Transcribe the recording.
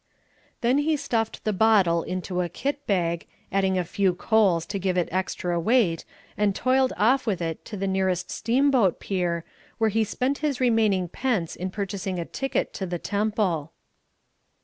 Then he stuffed the bottle into a kit bag, adding a few coals to give it extra weight, and toiled off with it to the nearest steamboat pier, where he spent his remaining pence in purchasing a ticket to the Temple.